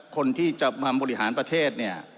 คนที่จะมาบริหารประเทศ